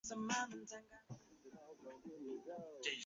孩子开始念书后